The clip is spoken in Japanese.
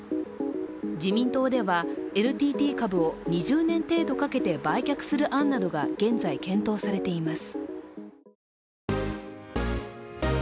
自民党ではＮＴＴ株を２０年程度かけて売却する案などが現在検討されています。